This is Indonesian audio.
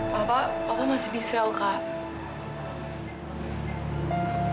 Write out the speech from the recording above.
papa papa masih di sel kak